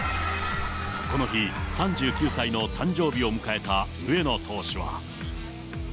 この日、３９歳の誕生日を迎えた上野投手は。